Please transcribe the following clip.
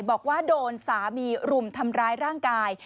บอกว่าโดนสามีรุมทำร้ายร่างกาย